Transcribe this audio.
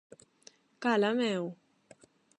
-Cala, meu!